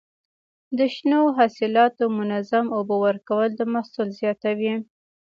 د شنو حاصلاتو منظم اوبه ورکول د محصول زیاتوي.